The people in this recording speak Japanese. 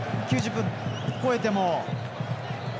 ９０分超えても。